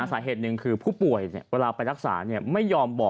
สาเหตุหนึ่งคือผู้ป่วย